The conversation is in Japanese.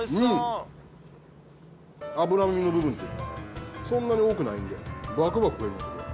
脂身の部分そんなに多くないんでバクバク食えますよ。